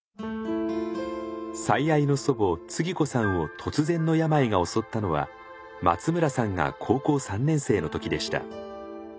最愛の祖母つぎ子さんを突然の病が襲ったのは松村さんが高校３年生の時でした。